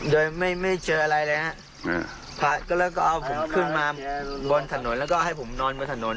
โดยไม่ไม่เจออะไรเลยฮะพระแล้วก็เอาผมขึ้นมาบนถนนแล้วก็ให้ผมนอนบนถนน